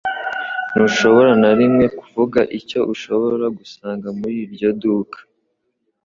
Ntushobora na rimwe kuvuga icyo ushobora gusanga muri iryo duka.